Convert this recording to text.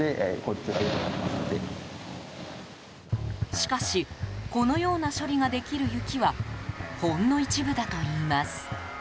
しかしこのような処理ができる雪はほんの一部だといいます。